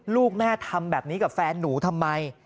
ลูกแม่ทำแบบนี้กับแฟนหนูทำไม